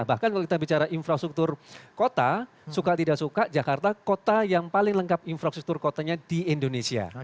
bahkan kalau kita bicara infrastruktur kota suka tidak suka jakarta kota yang paling lengkap infrastruktur kotanya di indonesia